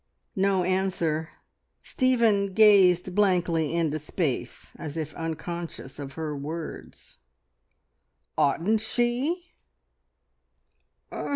No answer. Stephen gazed blankly into space as if unconscious of her words. "Oughtn't she?"